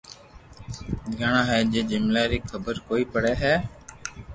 گھِڙا ھي جي جملئ ري خبر ڪوئي پڙي ھي